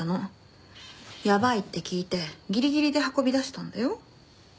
やばいって聞いてギリギリで運び出したんだよ。